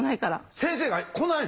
先生が来ないの？